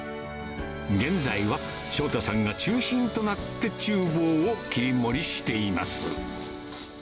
現在は翔太さんが中心となってちゅう房を切り盛りしています。